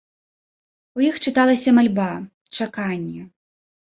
У іх чыталася мальба, чаканне.